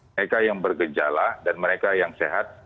mereka yang bergejala dan mereka yang sehat